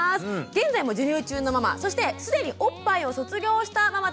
現在も授乳中のママそして既におっぱいを卒業したママたちも参加してくれています。